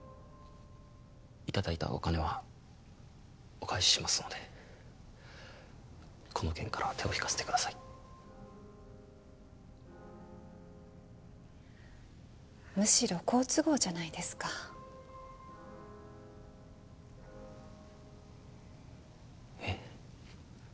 いただいたお金はお返ししますのでこの件からは手を引かせてくださいむしろ好都合じゃないですかえっ？